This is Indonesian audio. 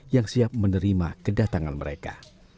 yang siap menerima kedatangan mereka